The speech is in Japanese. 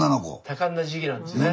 多感な時期なんですね。